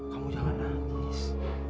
kamu jangan nangis